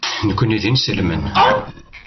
Nekkni d inselmen.